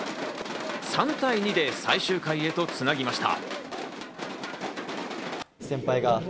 ３対２で最終回へとつなぎました。